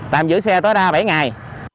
tạm giữ xe tối đa bảy ngày